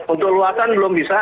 untuk luasan belum bisa